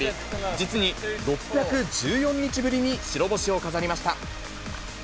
実に６１４日ぶりに白星を飾りました。